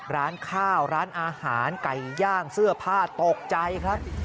ร้านข้าวร้านอาหารไก่ย่างเสื้อผ้าตกใจครับ